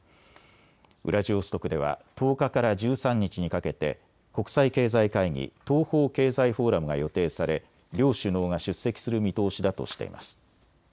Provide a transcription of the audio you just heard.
ウラジオストクでは１０日から１３日にかけて国際経済会議、東方経済フォーラムが予定され両首脳が出席する見通しだとしています。